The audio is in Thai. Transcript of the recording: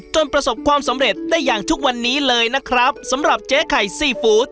ประสบความสำเร็จได้อย่างทุกวันนี้เลยนะครับสำหรับเจ๊ไข่ซีฟู้ด